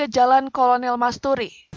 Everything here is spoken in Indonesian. dan kolonel masturi